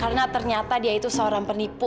karena ternyata dia itu seorang penipu